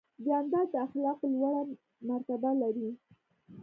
جانداد د اخلاقو لوړه مرتبه لري.